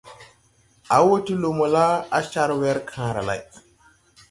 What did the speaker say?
A wo ti lumo la, a car wer kããra lay.